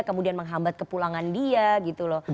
kemudian menghambat kepulangan dia gitu loh